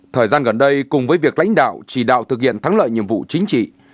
thời gian gần đây cùng với việc lãnh đạo chỉ đạo thực hiện thắng lợi nhiệm vụ chính trị